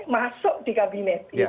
masuk di kabinet